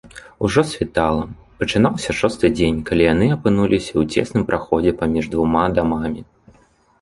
Ужо світала, пачынаўся шосты дзень, калі яны апынуліся ў цесным праходзе паміж двума дамамі.